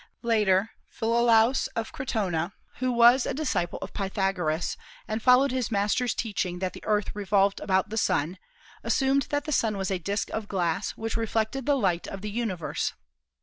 Later Philolaus of Crotona, who was a disciple of Pythagoras and followed his master's teaching that the Earth revolved about the Sun, assumed that the Sun was a disk of glass which reflected the light of the universe.